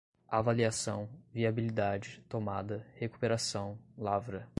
avaliação, viabilidade, tomada, recuperação, lavra